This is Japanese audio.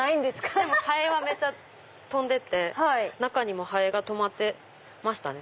でもハエはめちゃ飛んでて中にもハエが止まってましたね。